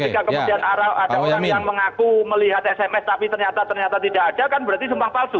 ketika kemudian ada orang yang mengaku melihat sms tapi ternyata ternyata tidak ada kan berarti sumpah palsu